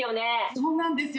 そうなんですよ